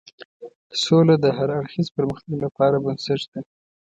سوله د هر اړخیز پرمختګ لپاره بنسټ ده.